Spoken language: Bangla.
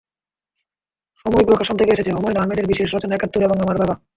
সময় প্রকাশন থেকে এসেছে হুমায়ূন আহমেদের বিশেষ রচনা একাত্তর এবং আমার বাবা।